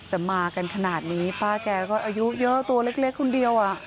แต่มากันขนาดนี้ป้าแกก็อายุเยอะตัวเล็กคนเดียว